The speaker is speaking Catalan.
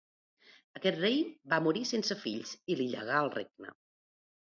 Aquest rei va morir sense fills, i li llegà el regne.